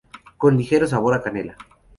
Con ligero sabor a canela.